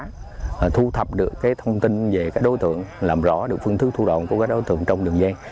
làm sao mà hiểu quả thu thập được thông tin về các đối tượng làm rõ được phương thức thu đoạn của các đối tượng trong đường gian